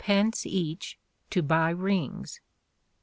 each, to buy rings.